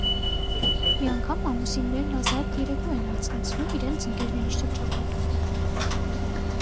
Մի անգամ ամուսիններն ազատ երեկո են անցկացնում իրենց ընկերների շրջապատում։